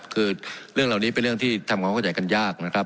คือเรื่องเหล่านี้เป็นเรื่องที่ทำความเข้าใจกันยากนะครับ